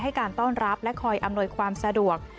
การต้อนรับและคอยอำนวยความสะดวก